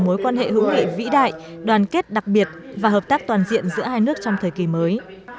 mối quan hệ hữu nghị vĩ đại đoàn kết đặc biệt và hợp tác toàn diện giữa hai nước trong thời kỳ mới